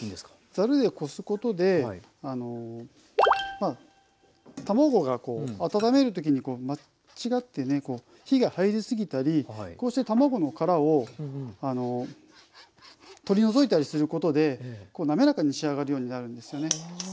ざるでこすことで卵が温めるときに間違ってね火が入り過ぎたりこうして卵の殻を取り除いたりすることでなめらかに仕上がるようになるんですよね。